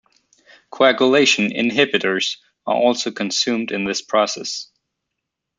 Coagulation inhibitors are also consumed in this process.